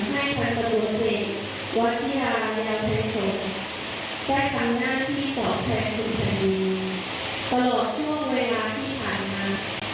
และนำหน้าที่ตอบใจผู้ชายอิดลีปรหล่วงช่วงเวลาที่ผ่านมา